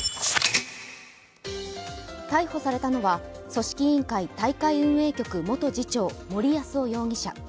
逮捕されたのは組織委員会大会運営局元次長、森泰夫容疑者。